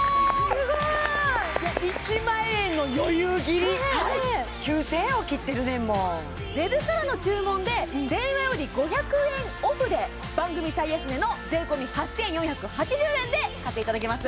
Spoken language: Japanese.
すごい！いや１万円の余裕切りはい９０００円を切ってるねんもんウェブからの注文で電話より５００円オフで番組最安値の税込８４８０円で買っていただけます